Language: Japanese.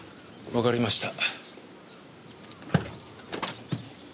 わかりました。